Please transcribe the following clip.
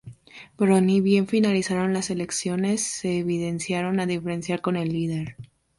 Pero, ni bien finalizaron las elecciones, se evidenciaron diferencias con el líder.